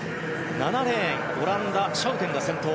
７レーンオランダのシャウテンが先頭。